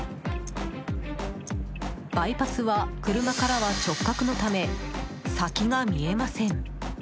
バイパスは車からは直角のため先が見えません。